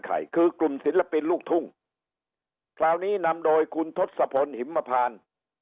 ใครคือกลุ่มศิลปินลูกทุ่งคราวนี้นำโดยคุณทศพลหิมพาน